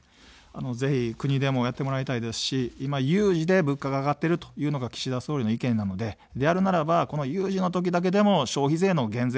ぜひ国でもやってもらいたいですし、今、有事で物価が上がっているというのが岸田総理の意見なので、であるならば有事の時だけでも消費税の減税。